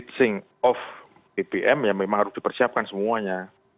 nah dan untuk konflik ya memang harus dipersiapkan semuanya